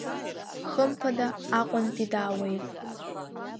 Хымԥада Аҟәантәи даауеит!